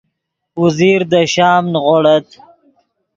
اوزیر دے شام نیغوڑت